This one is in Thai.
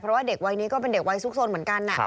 เพราะว่าเด็กวัยนี้ก็เป็นเด็กวัยซุกซนเหมือนกัน